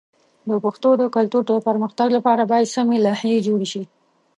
د پښتو د کلتور د پرمختګ لپاره باید سمی لایحې جوړ شي.